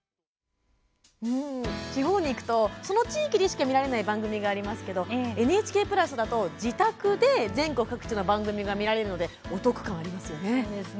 地方に行くとその地域でしか見られない番組がありますけどＮＨＫプラスだと自宅で全国各地の番組が見られるのでお得感がありますよね。